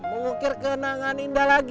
mau ngukir kenangan indah lagi